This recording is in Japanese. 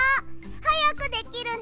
はやくできるね。